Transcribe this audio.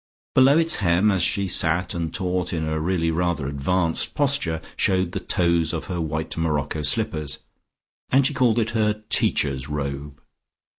Below its hem as she sat and taught in a really rather advanced posture showed the toes of her white morocco slippers, and she called it her "Teacher's Robe."